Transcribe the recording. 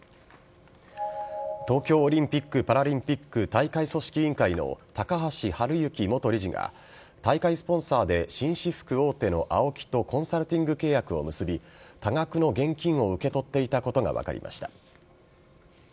東京オリンピック・パラリンピック大会組織委員会の高橋治之元理事が大会スポンサーで紳士服大手のＡＯＫＩとコンサルティング契約を結び多額の現金を受け取っていたことが分かりました。